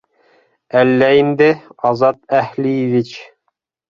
Әллә инде, Азат Әһлиевич...